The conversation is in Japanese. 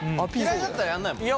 嫌いだったらやんないもんね。